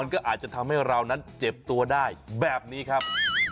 ก็อาจจะทำให้เรานั้นเจ็บตัวได้แบบนี้ครับ